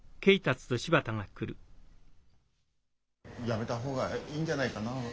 やめた方がいいんじゃないかな。